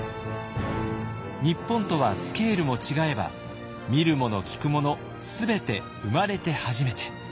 日本とはスケールも違えば見るもの聞くもの全て生まれて初めて。